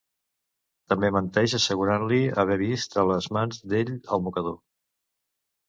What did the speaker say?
També menteix assegurant-li haver vist a les mans d'ell el mocador.